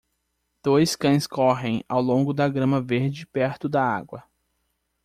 Dois cães correm ao longo da grama verde perto da água.